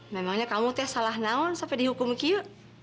memangnya kamu salah naon sampai dihukum begitu